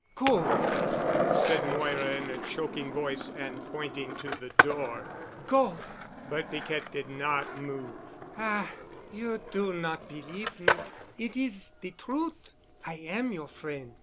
"Go, Madame," said Moira in a choking voice and pointing to the door. "Go." But Piquette did not move. "Ah! You do not believe me. It is de trut'. I am your frien'.